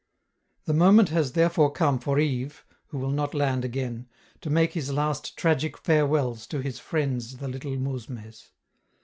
The moment has therefore come for Yves who will not land again to make his last tragic farewells to his friends the little mousmes.